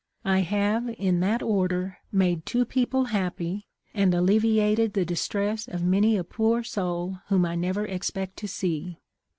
I have, in that order, made two people happy and alleviated the distress of many a poor soul whom I never expect to see.